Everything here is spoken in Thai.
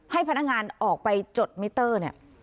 ให้พนักงานออกไปจดมิเตอร์